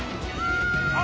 あ！